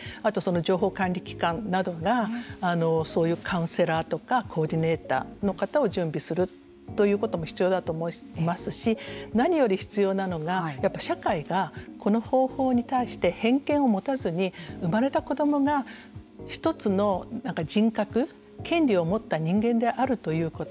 あとその情報管理機関などがそういうカウンセラーとかコーディネーターの方を準備するということも必要だと思いますし何より必要なのがやっぱり社会がこの方法に対して偏見を持たずに生まれた子どもが一つの人格、権利を持った人間であるということ。